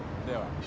では。